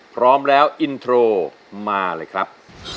พร้อมแล้วอินโทรมาเลยครับ